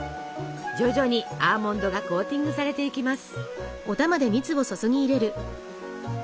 徐々にアーモンドがコーティングされていきます。